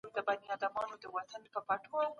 د دود او رواج زور به اغېز ولري.